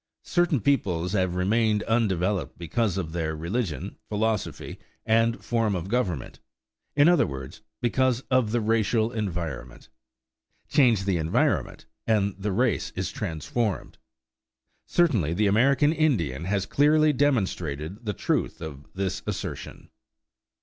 Certain peoples have remained undeveloped because of their religion, philosophy, and form of government; in other words, because of the racial environment. Change the environment, and the race is transformed. Certainly the American Indian has clearly demonstrated the truth of this assertion.